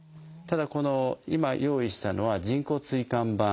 ただこの今用意したのは人工椎間板。